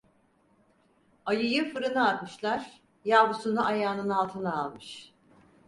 Ayıyı fırına atmışlar, yavrusunu ayağının altına almış.